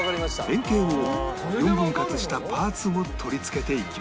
円形を４分割したパーツを取り付けていきます